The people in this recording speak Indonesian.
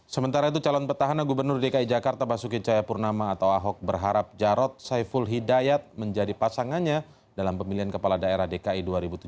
sementara itu calon petahana gubernur dki jakarta basuki cayapurnama atau ahok berharap jarod saiful hidayat menjadi pasangannya dalam pemilihan kepala daerah dki dua ribu tujuh belas